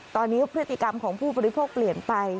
ตอนนี้พฤติกรรมของผู้บริโภคเปลี่ยนไป